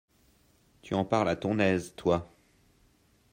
Tu en parles à ton aise, toi !